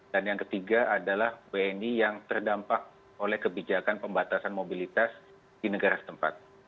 dan yang ketiga adalah wni yang terdampak oleh kebijakan pembatasan mobilitas di negara setempat